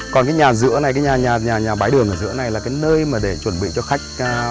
còn cái nhà giữa này cái nhà bái đường ở giữa này là cái nơi mà để chuẩn bị cho khách